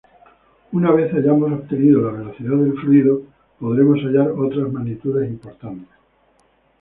Una vez hayamos obtenido la velocidad del fluido, podremos hallar otras magnitudes importantes.